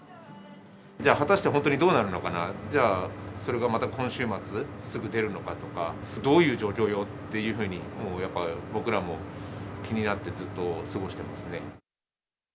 じゃあ、果たして本当にどうなるのかな、じゃあ、それがまた今週末、すぐ出るのかとか、どういう状況よっていうふうに、やっぱ僕らも気になってずっと過ごしてますね。